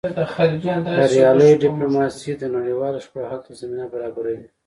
بریالۍ ډیپلوماسي د نړیوالو شخړو حل ته زمینه برابروي.